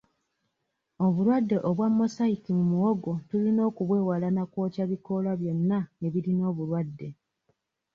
Obulwadde obwa Mosaic mu muwogo tulina kubwewala na kwokya bikolo byonna ebirina obulwadde.